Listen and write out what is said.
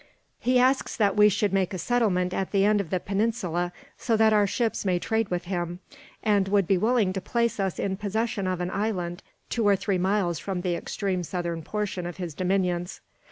He asks that we should make a settlement at the end of the Peninsula, so that our ships may trade with him; and would be willing to place us in possession of an island, two or three miles from the extreme southern portion of his dominions.